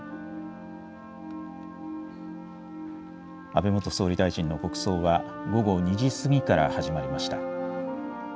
安倍元総理大臣の国葬は、午後２時過ぎから始まりました。